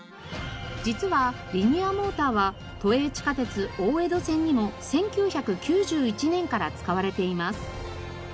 実はリニアモーターは都営地下鉄大江戸線にも１９９１年から使われています。